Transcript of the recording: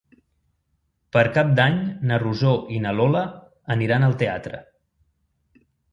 Per Cap d'Any na Rosó i na Lola aniran al teatre.